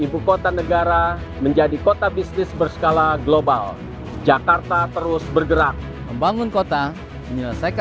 maka air di kalijiliwung ini sudah kita belokkan ke kalijipina